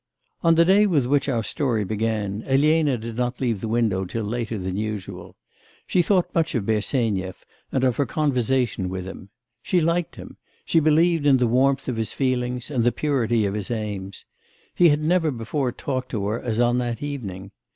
On the day with which our story began, Elena did not leave the window till later than usual. She thought much of Bersenyev, and of her conversation with him. She liked him; she believed in the warmth of his feelings, and the purity of his aims. He had never before talked to her as on that evening.